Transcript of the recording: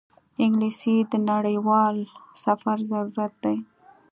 انګلیسي د نړیوال سفر ضرورت دی